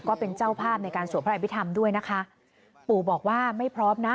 ก็เป็นเจ้าภาพในการสวดพระอภิษฐรรมด้วยนะคะปู่บอกว่าไม่พร้อมนะ